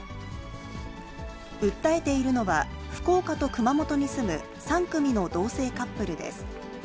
訴えているのは、福岡と熊本に住む３組の同性カップルです。